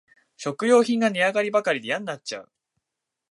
食料品が値上がりばかりでやんなっちゃう